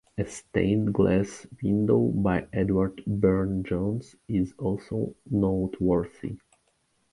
A stained glass window by Edward Burne-Jones is also noteworthy.